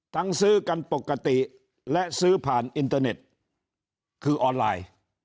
ซื้อกันปกติและซื้อผ่านอินเตอร์เน็ตคือออนไลน์